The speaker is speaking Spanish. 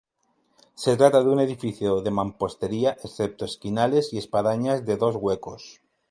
Se trata de un edificio de mampostería, excepto esquinales y espadañas de dos huecos.